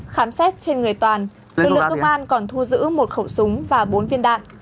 khám xét trên người toàn lực lượng công an còn thu giữ một khẩu súng và bốn viên đạn